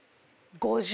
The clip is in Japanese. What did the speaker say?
５０。